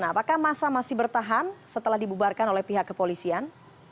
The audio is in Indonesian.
apakah masa masih bertahan setelah dibubarkan oleh pihak kepolisian